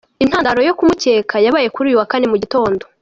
Intandaro yo kumukeka yabaye kuri uyu wa Kane mu gitondo.